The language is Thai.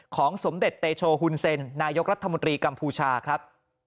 ของสมเด็จเตโชฮุนเซ็นนายกรัฐมนตรีกัมพูชาครับ